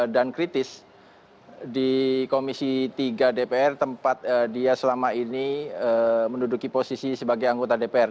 dan kritis di komisi tiga dpr tempat dia selama ini menduduki posisi sebagai anggota dpr